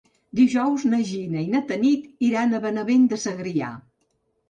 Dijous na Gina i na Tanit iran a Benavent de Segrià.